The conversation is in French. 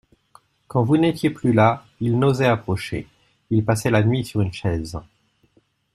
Quand vous n'étiez plus là, il n'osait approcher, il passait la nuit sur une chaise.